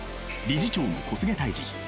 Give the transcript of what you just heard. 理事長の小菅泰治。